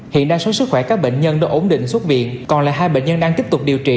hiện đa số sức khỏe các bệnh nhân đã ổn định xuất viện còn lại hai bệnh nhân đang tiếp tục điều trị